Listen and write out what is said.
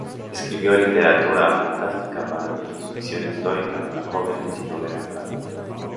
Escribió literatura fantástica para niños, ficción histórica para jóvenes y novela para adultos.